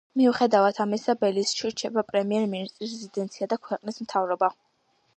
მიუხედავად ამისა, ბელიზში რჩება პრემიერ-მინისტრის რეზიდენცია და ქვეყნის მთავრობა.